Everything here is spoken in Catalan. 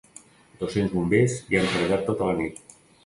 Dos-cents bombers hi han treballat tota la nit.